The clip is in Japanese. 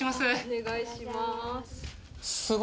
お願いします。